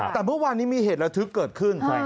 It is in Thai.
แต่เมื่อวานนี้มีเหตุระทึกเกิดขึ้น